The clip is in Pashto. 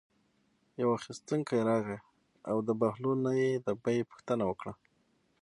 یو اخیستونکی راغی او د بهلول نه یې د بیې پوښتنه وکړه.